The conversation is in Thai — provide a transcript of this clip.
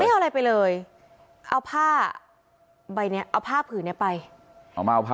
เอาอะไรไปเลยเอาผ้าใบเนี้ยเอาผ้าผืนเนี้ยไปเอามาเอาผ้า